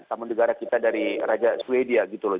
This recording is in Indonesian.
sama negara kita dari raja sweden gitu loh